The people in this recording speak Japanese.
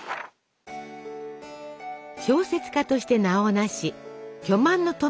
小説家として名を成し巨万の富を得たデュマ。